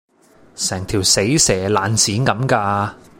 成條死蛇爛鱔咁㗎